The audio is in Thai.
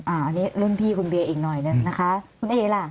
อันนี้รุ่นพี่คุณเบียอีกหน่อยนึงนะคะคุณเอล่ะ